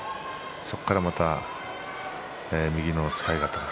そこからまた右の使い方